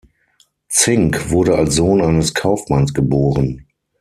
Zink wurde als Sohn eines Kaufmanns geboren.